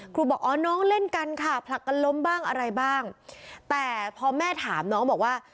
บอกอ๋อน้องเล่นกันค่ะผลักกันล้มบ้างอะไรบ้างแต่พอแม่ถามน้องบอกว่า